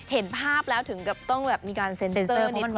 เห็นภาพแล้วถึงก็ต้องมีการเซ็นเซอร์นิดหนึ่ง